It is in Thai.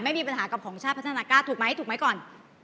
ไม่มีปัญหากับของชาติพัฒนากล้าถูกไหมถูกไหมก่อน